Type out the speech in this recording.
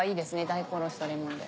大根おろしとレモンで。